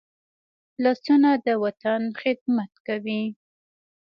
لاسونه د وطن خدمت کوي